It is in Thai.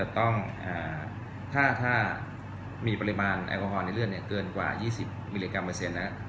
ต้องถ้ามีปริมาณแอลกอฮอลในเลือดเกินกว่า๒๐มิลลิกรัมเปอร์เซ็นต์นะ